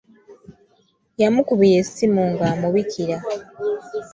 Yamukubira essimu ng'amubikira.